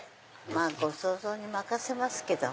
まぁご想像に任せますけど。